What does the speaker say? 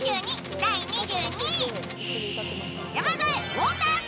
第２２位。